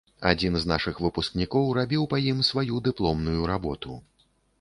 Адзін з нашых выпускнікоў рабіў па ім сваю дыпломную работу.